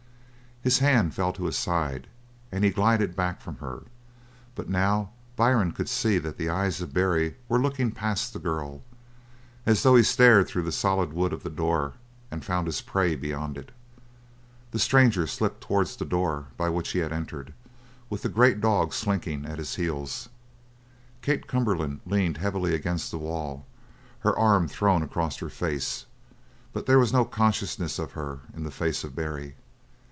His hand fell to his side and he glided back from her; but now Byrne could see that the eyes of Barry were looking past the girl, as though he stared through the solid wood of the door and found his prey beyond it. The stranger slipped towards the door by which he had entered, with the great dog slinking at his heels. Kate Cumberland leaned heavily against the wall, her arm thrown across her face, but there was no consciousness of her in the face of Barry.